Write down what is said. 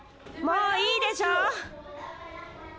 もういいでしょ？